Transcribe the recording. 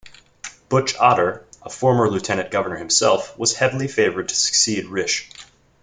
"Butch" Otter, a former lieutenant governor himself, was heavily favored to succeed Risch.